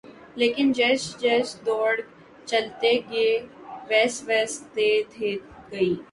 لیکن جیس جیس دوڑ گ ، چلتے گ ویس ویس ت دھ گئی